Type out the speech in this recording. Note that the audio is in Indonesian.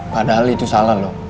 padahal itu salah lo